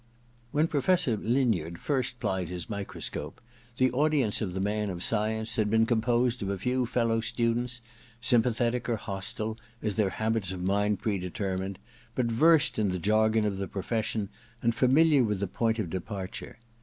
When Professor Linyard first plied his microscope, the audience of the man of science had been composed of a few fellow students, sympathetic or hostile as their habits of mind predetermined, but versed in the jargon of the profession and familiar with the point of de parture.